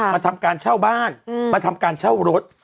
ทำการเช่าบ้านมาทำการเช่ารถ